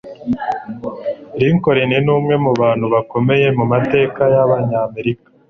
lincoln numwe mubantu bakomeye mumateka yabanyamerika